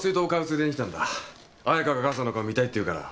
彩香が母さんの顔見たいって言うから。